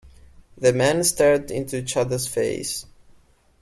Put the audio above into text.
The men stared into each other's face.